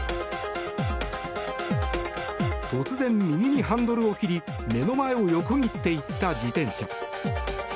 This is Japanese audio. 突然、右にハンドルを切り目の前を横切っていった自転車。